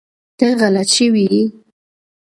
ته غلط شوی ېي